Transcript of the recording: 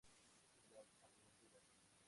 De las abreviaturas.